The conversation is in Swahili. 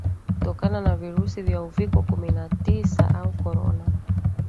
kutokana na virusi vya uviko kumi na tisa au Corona